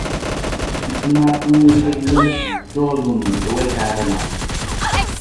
I kisi maata wonta kal roolung na ta wii kaar na.